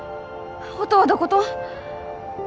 音はどこと？